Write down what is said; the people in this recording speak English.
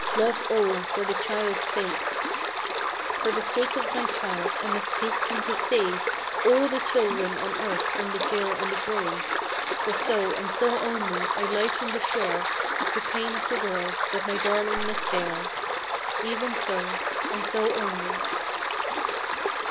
Love all for the child's sake! For the sake of my child I must hasten to save All the children on earth from the jail and the grave. For so, and so only, I lighten the share Of the pain of the world that my darling must bear Even so, and so only!